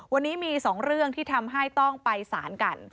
วันนี้มี๒เรื่องที่ทำให้ต้องไปสารกัน